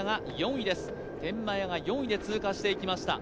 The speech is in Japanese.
天満屋が４位で通過していきました